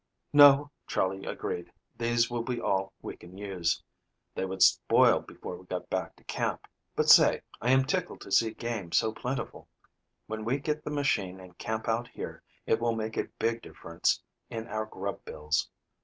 "No," Charley agreed. "These will be all we can use. They would spoil before we got back to camp. But say, I am tickled to see game so plentiful. When we get the machine and camp out here, it will make a big difference in our grub bills."